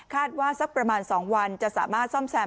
ว่าสักประมาณ๒วันจะสามารถซ่อมแซม